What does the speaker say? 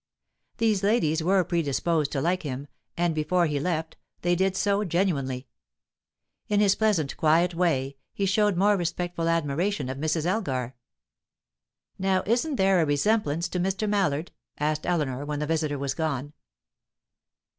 These ladies were predisposed to like him, and before he left they did so genuinely. In his pleasantly quiet way, he showed much respectful admiration of Mrs. Elgar. "Now, isn't there a resemblance to Mr. Mallard?" asked Eleanor, when the visitor was gone.